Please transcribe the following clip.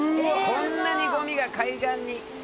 こんなにごみが海岸に。